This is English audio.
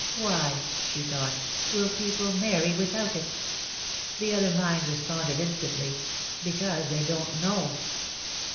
"Why," she thought, "will people marry without it?" The other mind responded instantly: "Because they don't know."